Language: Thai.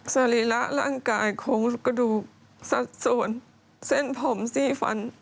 สรีระร่างกายของกระดูกสัดส่วนเส้นผมสีฟัน